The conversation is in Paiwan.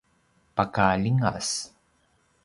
paka ljingas